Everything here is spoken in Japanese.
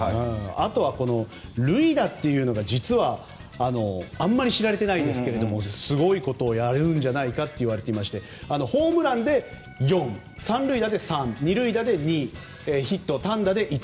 あとは塁打というのが実はあまり知られていないですがすごいことをやるんじゃないかと言われていましてホームランで４３塁打で３２塁打で２、ヒット単打で１。